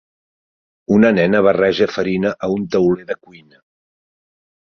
Una nena barreja farina a un tauler de cuina.